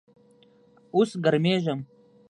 اوس ګرمیږم